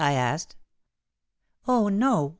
" I asked. '' Oh no !